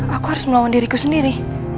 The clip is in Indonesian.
aku harus melawan diriku sendiri